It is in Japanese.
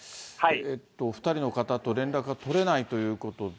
２人の方と連絡が取れないということで。